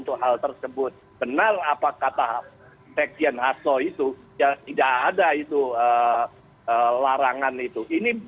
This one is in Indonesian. ketua dpp pdi perjuangan